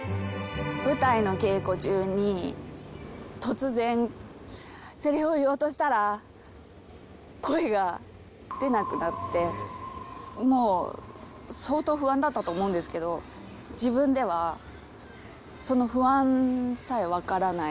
舞台の稽古中に、突然、せりふを言おうとしたら、声が出なくなって、もう相当不安だったと思うんですけど、自分ではその不安さえ分からない、